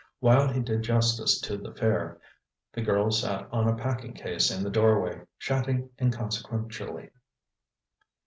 While he did justice to the fare, the girl sat on a packing case in the doorway, chatting inconsequentially.